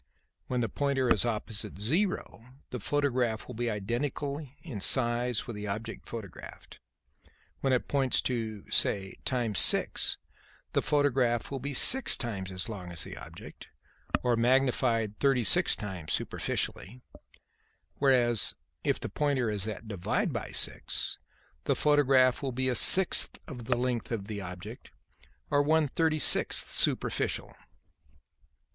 When the pointer is opposite 0 the photograph will be identical in size with the object photographed; when it points to, say, × 6, the photograph will be six times as long as the object, or magnified thirty six times superficially, whereas if the pointer is at ÷ 6, the photograph will be a sixth of the length of the object, or one thirty sixth superficial."